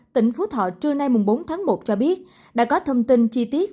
tỉnh phú thọ trưa nay bốn tháng một cho biết đã có thông tin chi tiết